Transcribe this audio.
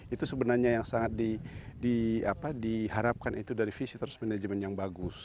itu sebenarnya yang sangat diharapkan itu dari visitors management yang bagus